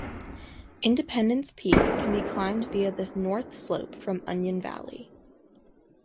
Independence Peak can be climbed via the north slope from Onion Valley.